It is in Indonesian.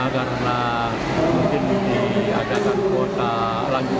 karena mungkin diadakan kuota pelanjutan